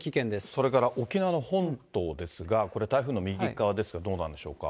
それから沖縄の本島ですが、これ、台風の右側ですが、どうなんでしょうか。